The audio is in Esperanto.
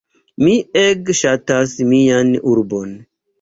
Mi ege ŝatas mian urbon.